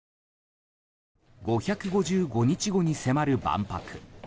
５５５日後に迫る万博。